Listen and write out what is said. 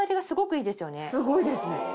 すごいですね。